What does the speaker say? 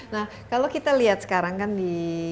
nah kalau kita lihat sekarang kan di